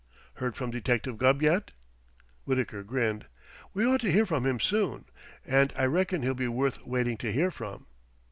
Heard from Detective Gubb yet?" Wittaker grinned. "We ought to hear from him soon. And I reckon he'll be worth waiting to hear from."